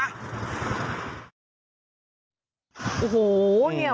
ไปใช้สนุนเร็ว